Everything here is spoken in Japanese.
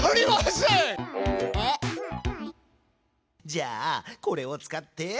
じゃあこれを使って。